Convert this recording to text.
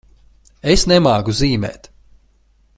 Es nemāku zīmēt.